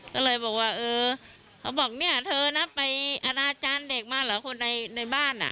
ก็เลยบอกว่าเออเขาบอกเนี่ยเธอนะไปอนาจารย์เด็กมาเหรอคนในบ้านอ่ะ